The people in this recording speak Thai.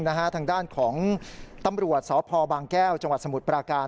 ทางด้านของตำรวจสพบางแก้วจังหวัดสมุทรปราการ